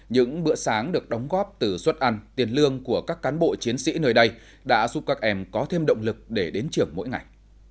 những bữa sáng được đóng góp từ suất ăn tiền lương của các cán bộ chiến sĩ nơi đây đã giúp các em có thêm động lực để đến trường mỗi ngày